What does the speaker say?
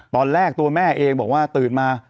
ตอนแรกตัวแม่เองบอกว่าตื่นมา